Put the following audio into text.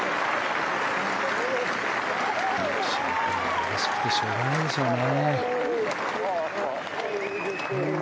うれしくてしょうがないでしょうね。